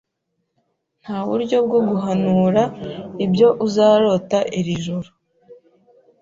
Nta buryo bwo guhanura ibyo uzarota iri joro